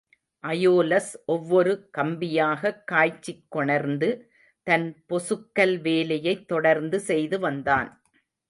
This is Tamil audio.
அயோலஸ் ஒவ்வொரு கம்பியாகக் காய்ச்சிக் கொணர்ந்து தன் பொசுக்கல் வேலையைத் தொடர்ந்து செய்து வந்தான்.